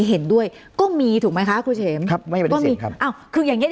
เห็นด้วยก็มีถูกไหมคะครูเสมครับไม่เป็นก็มีครับอ้าวคืออย่างเงี